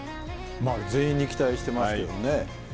全員に期待していますけどね。